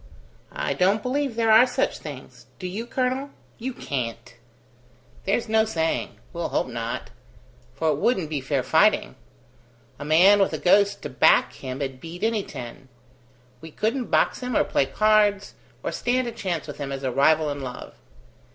"I don't believe there are such things. Do you, colonel? You can't!" "There's no saying. We'll hope not; for it wouldn't be fair fighting. A man with a ghost to back him'd beat any ten. We couldn't box him or play cards, or stand a chance with him as a rival in love.